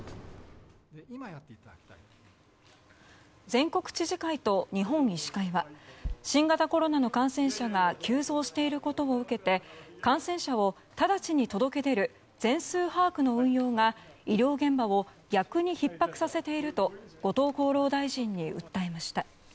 全国知事会と日本医師会は新型コロナの感染者が急増していることを受けて感染者を直ちに届け出る全数把握の運用が医療現場を逆にひっ迫させていると後藤厚労大臣に訴えました。